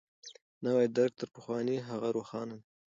نوی درک تر پخواني هغه روښانه دی.